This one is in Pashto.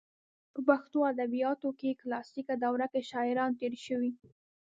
په پښتو ادبیاتو کلاسیکه دوره کې شاعران تېر شوي.